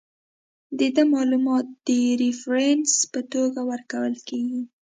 د ده معلومات د ریفرنس په توګه ورکول کیږي.